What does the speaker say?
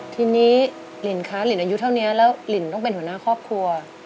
ทีนี้ลินคะลินอายุเท่านี้แล้วลินต้องเป็นหัวหน้าครอบครัว